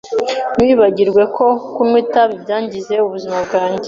Ntiwibagirwe ko kunywa itabi byangiza ubuzima bwawe.